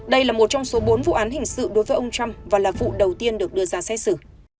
đây là một trong số bốn vụ án hình sự đối với ông trump và là vụ đầu tiên được đưa ra xét xử